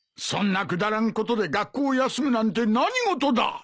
そんなくだらんことで学校を休むなんて何事だ！？